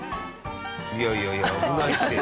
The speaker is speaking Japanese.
いやいやいや危ないって。